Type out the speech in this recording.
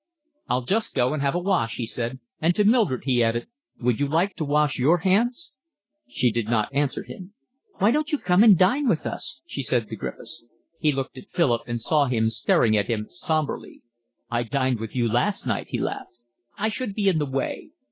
"I'll just go and have a wash," he said, and to Mildred he added: "Would you like to wash your hands?" She did not answer him. "Why don't you come and dine with us?" she said to Griffiths. He looked at Philip and saw him staring at him sombrely. "I dined with you last night," he laughed. "I should be in the way."